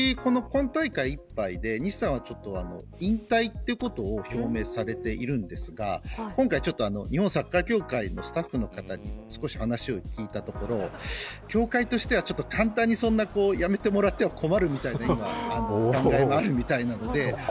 ただ、今大会いっぱいで西さんは引退ということを表明されているんですが今回、日本サッカー協会のスタッフの方に少しお話を聞いたところ協会としては簡単に辞めてもらっては困るということが言われていたみたいです。